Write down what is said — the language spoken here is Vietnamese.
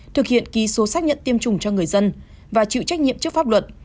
thực hiện ký số xác nhận tiêm chủng cho người dân và chịu trách nhiệm trước pháp luật